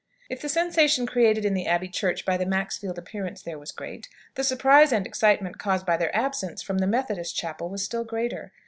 If the sensation created in the abbey church by the Maxfields' appearance there was great, the surprise and excitement caused by their absence from the Methodist chapel was still greater.